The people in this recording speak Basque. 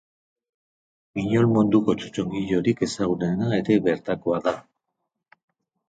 Giñol munduko txotxongilorik ezagunena ere bertakoa da.